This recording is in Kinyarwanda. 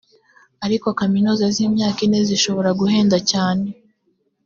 ariko kaminuza z imyaka ine zishobora guhenda cyane